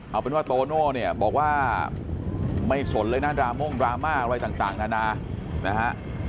เอาเป็นว่าโตโน่เนี่ยบอกว่าไม่สนเลยนะดราม่งดราม่าอะไรต่างนานานะฮะ